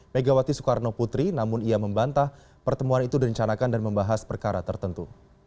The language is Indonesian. megawati soekarno putri namun ia membantah pertemuan itu direncanakan dan membahas perkara tertentu